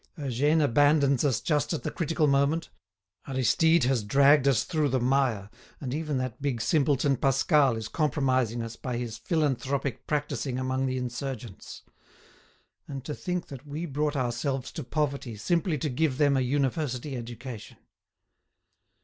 Eugène abandons us just at the critical moment; Aristide has dragged us through the mire, and even that big simpleton Pascal is compromising us by his philanthropic practising among the insurgents. And to think that we brought ourselves to poverty simply to give them a university education!"